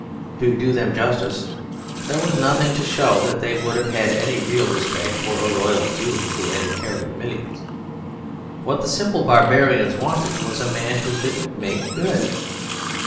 To do them justice, there was nothing to show that they would have had any real respect for a royal duke who had inherited millions; what the simple barbarians wanted was a man who could 'make good.'